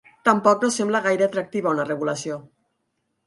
Tampoc no sembla gaire atractiva una regulació.